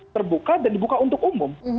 terbuka dan dibuka untuk umum